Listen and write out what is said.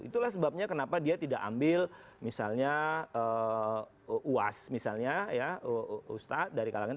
itulah sebabnya kenapa dia tidak ambil misalnya uas misalnya ya ustadz dari kalangan